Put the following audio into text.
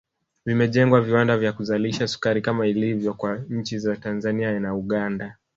Vimejengwa viwanda vya kuzalisha sukari kama ilivyo kwa nchi za Tanzania na Uganda